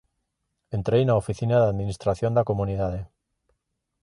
Entrei na oficina da administración da comunidade.